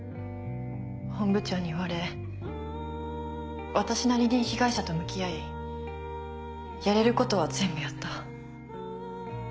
本部長に言われ私なりに被害者と向き合いやれることは全部やった。